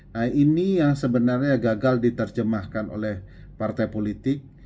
nah ini yang sebenarnya gagal diterjemahkan oleh partai politik